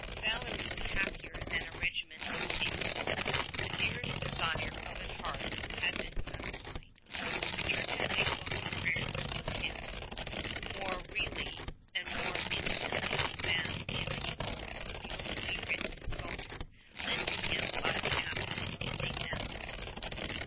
Valery was happier than a regiment of Kings. The dearest desire of his heart had been satisfied. The Church's big book of prayers was his — more really and more inti mately than if he owned the beautifully written Psalter lent to him by the Abbot of St. Antony's.